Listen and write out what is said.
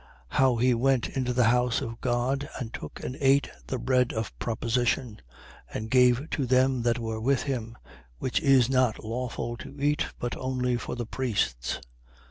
How he went into the house of God and took and ate the bread of proposition and gave to them that were with him, which is not lawful to eat but only for the priests?